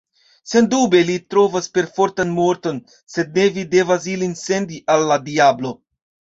Sendube, ili trovos perfortan morton, sed ne vi devas ilin sendi al la diablo.